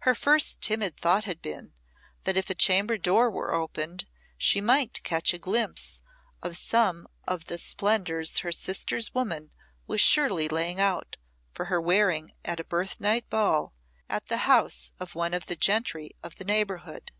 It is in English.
Her first timid thought had been, that if a chamber door were opened she might catch a glimpse of some of the splendours her sister's woman was surely laying out for her wearing at a birth night ball, at the house of one of the gentry of the neighbourhood.